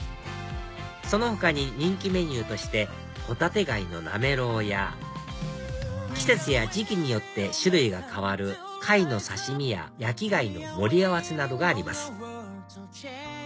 その他に人気メニューとして帆立貝のなめろうや季節や時期によって種類が変わる貝の刺し身や焼き貝の盛り合わせなどがあります